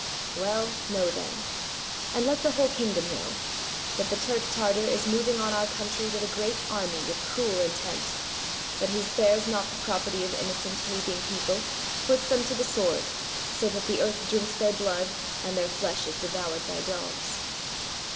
"Well, know then, and let the whole kingdom know, that the Turk Tartar is moving on our country with a great army, with cruel intent; that he spares not the property of innocent, weeping people, puts them to the sword, so that the earth drinks their blood, and their flesh is devoured by dogs."